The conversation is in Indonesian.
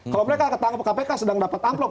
kalau mereka ketangkep kpk sedang dapat amplop